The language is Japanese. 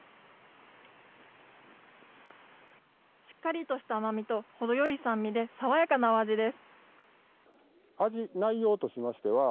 しっかりとした甘みと程よい酸味でさわやかなお味です。